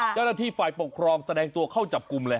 เจ้าหน้าที่ฝ่ายปกครองแสดงตัวเข้าจับกลุ่มเลย